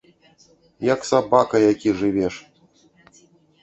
Як сабака які жывеш.